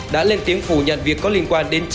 đã lên tiếng phủ nhận việc có liên quan đến